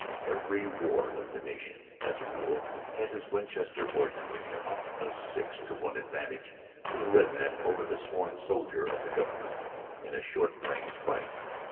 Every ward of the nation, as a rule, had his Winchester or Henry, about a six to one advantage to the red men over the sworn soldier of the government in a short range fight.